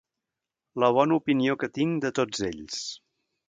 La bona opinió que tinc de tots ells.